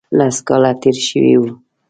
لس کاله تېر شوي وو.